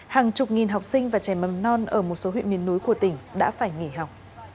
hàng chục nghìn học sinh và trẻ mầm non ở một số huyện miền núi của tỉnh đã phải nghỉ học